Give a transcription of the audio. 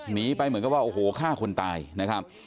หนีไปเหมือนกับว่าโอ้โหฆ่าคนตายนะครับ